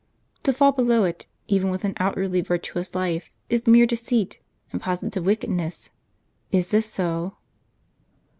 To fall below it, even with an outwardly virtuous life, is mere deceit, and positive wickedness. Is this so?